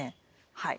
はい。